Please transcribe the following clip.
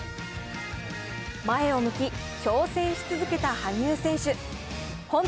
前を向き、挑戦し続けた羽生選手。